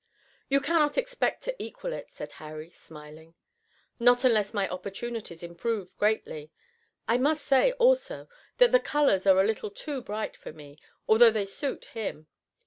"You cannot expect to equal it," said Harry, smiling. "Not unless my opportunities improve greatly. I must say, also, that the colors are a little too bright for me, although they suit him.